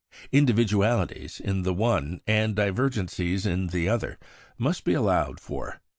Individualities in the one, and divergencies in the other, must be allowed for.